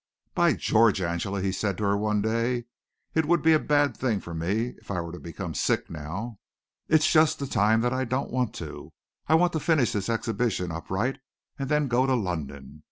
"By George! Angela," he said to her one day, "it would be a bad thing for me if I were to become sick now. It's just the time that I don't want to. I want to finish this exhibition up right and then go to London.